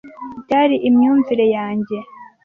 byari imyumvire yanjye.